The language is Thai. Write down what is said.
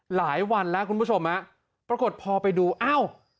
หลายวันแล้วคุณผู้ชมฮะปรากฏพอไปดูอ้าว